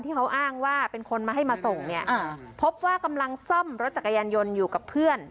ที่เขาอ้างว่าเป็นคนมาให้มาส่งเนี่ยพบว่ากำลังซ่อมรถจักรยานยนต์อยู่กับเพื่อน